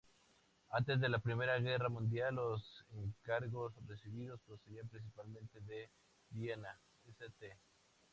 Antes de la Primera Guerra Mundial los encargos recibidos procedían principalmente de Viena, St.